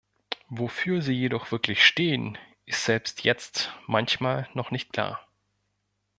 Wofür sie jedoch wirklich stehen, ist selbst jetzt manchmal noch nicht klar.